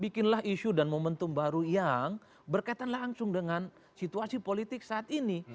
bikinlah isu dan momentum baru yang berkaitan langsung dengan situasi politik saat ini